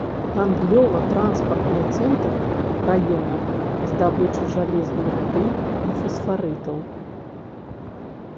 Гандлёва-транспартны цэнтр раёна здабычы жалезнай руды і фасфарытаў.